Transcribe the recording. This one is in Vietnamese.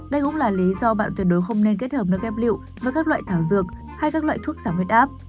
đây cũng là lý do bạn tuyệt đối không nên kết hợp nước ghép liệu với các loại thảo dược hay các loại thuốc giảm huyết áp